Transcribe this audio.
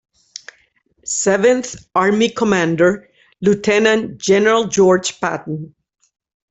Seventh Army commander, Lieutenant General George Patton.